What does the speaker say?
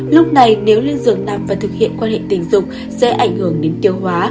lúc này nếu lên dường nằm và thực hiện quan hệ tình dục sẽ ảnh hưởng đến tiêu hóa